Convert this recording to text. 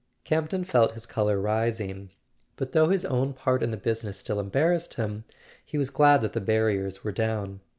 Camp ton felt his colour rising; but though his own part in the business still embarrassed him he was glad that the barriers were down.